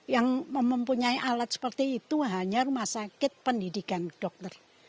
yang mempunyai alat seperti itu hanya rumah sakit pendidikan dokter